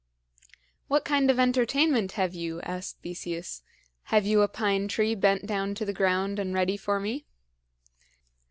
"What kind of entertainment have you?" asked Theseus. "Have you a pine tree bent down to the ground and ready for me?"